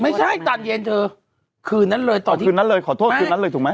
ไม่ใช่ตอนเย็นเธอคืนนั้นเลยตอนที่คืนนั้นเลยขอโทษคืนนั้นเลยถูกไหม